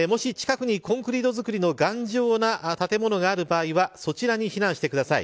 もし近くに頑丈な建物がある場合はそちらに避難してください。